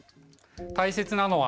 大切なのは。